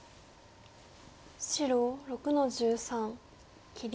白６の十三切り。